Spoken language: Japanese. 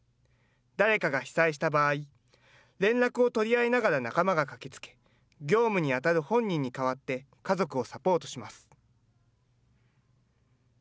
誰かが被災した場合、連絡を取り合いながら仲間が駆けつけ、業務に当たる本人に代わって家族をサポートします。